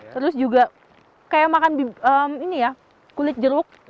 terus juga kayak makan kulit jeruk